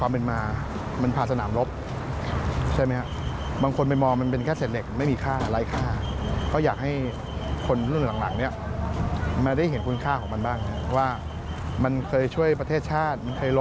นอกจากจะได้สัมผัสกับยานพาหนะผู้ชาติแล้ว